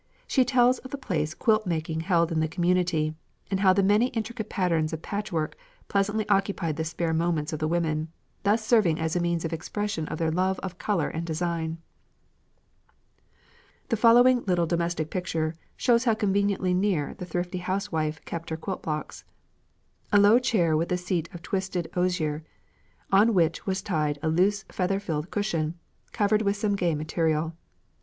She tells of the place quilt making held in the community, and how the many intricate patterns of patchwork pleasantly occupied the spare moments of the women, thus serving as a means of expression of their love of colour and design. The following little domestic picture shows how conveniently near the thrifty housewife kept her quilt blocks: "A low chair with a seat of twisted osier, on which was tied a loose feather filled cushion, covered with some gay material.